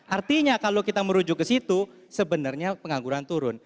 artinya kalau kita merujuk ke situ sebenarnya pengangguran turun